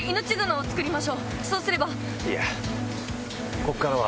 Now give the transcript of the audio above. いやここからは。